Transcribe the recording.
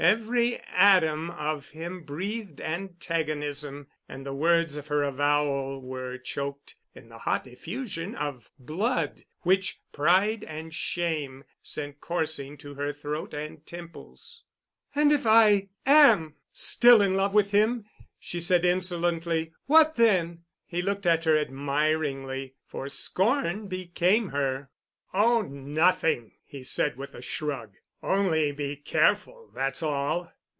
Every atom of him breathed antagonism—and the words of her avowal were choked in the hot effusion of blood which pride and shame sent coursing to her throat and temples. "And if I am still in love with him," she said insolently, "what then?" He looked at her admiringly, for scorn became her. "Oh, nothing," he said with a shrug. "Only be careful, that's all.